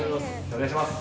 お願いします